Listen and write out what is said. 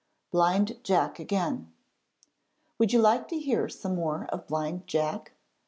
BLIND JACK AGAIN Would you like to hear some more of Blind Jack?